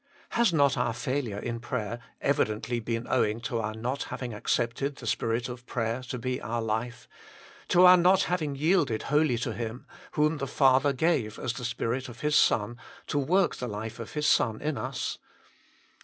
Has not our failure in prayer evidently been owing to our not having accepted the Spirit of prayer to be our life ; to our not having yielded wholly to Him, whom the Father gave as the Spirit of His Son, to work the life of the Son in us